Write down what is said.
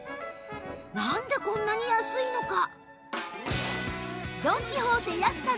なんでこんなに安いのか？